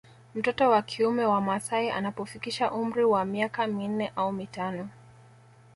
Mtoto wa kiume wa maasai anapofikisha umri wa miaka minne au mitano